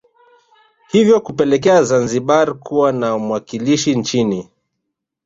Hivyo kupelekea Zanzibar kuwa na mwakilishi nchini